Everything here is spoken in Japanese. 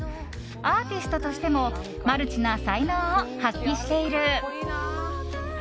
アーティストとしてもマルチな才能を発揮している。